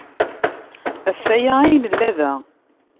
Ɣef waya ay nella da.